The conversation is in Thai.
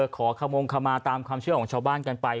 ขมงขมาตามความเชื่อของชาวบ้านกันไป